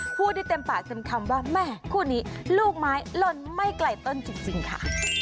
พูดได้เต็มปากเต็มคำว่าแม่คู่นี้ลูกไม้ลนไม่ไกลต้นจริงค่ะ